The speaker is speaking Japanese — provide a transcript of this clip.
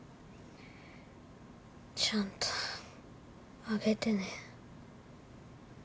ちゃんとあげてね。